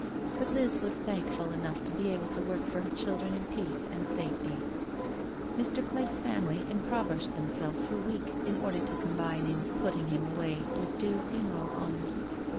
But Liz was thankful enough to be able to work for her children in peace and safety. Mr. Clegg's family impoverished themselves for weeks in order to combine in " putting him away " with due funeral honours.